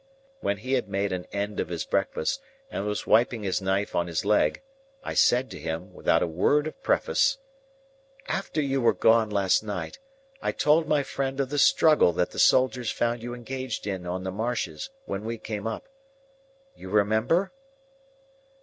When he had made an end of his breakfast, and was wiping his knife on his leg, I said to him, without a word of preface,— "After you were gone last night, I told my friend of the struggle that the soldiers found you engaged in on the marshes, when we came up. You remember?"